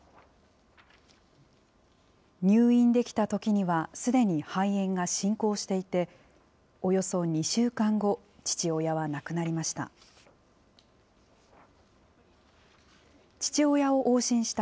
入院できたときにはすでに肺炎が進行していて、およそ２週間後、父親は亡くなりました。